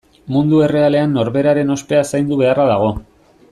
Mundu errealean norberaren ospea zaindu beharra dago.